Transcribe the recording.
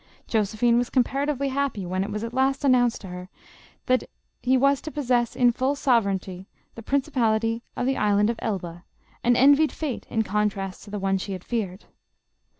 Josephine was comparatively happy when it was at last announced to her that he was to possess, in full sovereignty, the principality of the Island of Elba, an envied fate in contrast to the one she had feared.